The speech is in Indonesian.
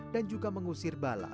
dan juga mengusir bala